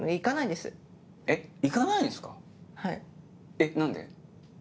えっ何で？